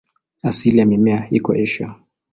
Asili ya mimea iko Asia.